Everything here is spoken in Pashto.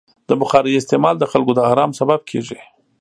د بخارۍ استعمال د خلکو د ارام سبب کېږي.